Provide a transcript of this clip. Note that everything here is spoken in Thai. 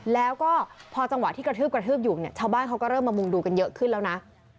แล้วก็พอจังหวะที่กระทืบกระทืบอยู่เนี่ยชาวบ้านเขาก็เริ่มมามุงดูกันเยอะขึ้นแล้วนะ